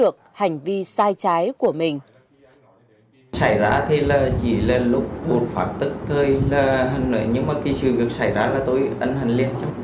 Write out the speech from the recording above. chỉ là lúc bột phạt tức thôi là hẳn nữa nhưng mà khi sự việc xảy ra là tôi ấn hẳn lên chắc